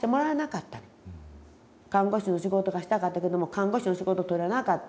看護師の仕事がしたかったけども看護師の仕事取れなかった。